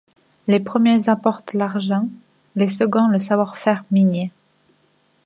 Les premiers apportent l'argent, les seconds le savoir-faire minier.